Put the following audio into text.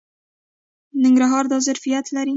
ننګرهار دا ظرفیت لري.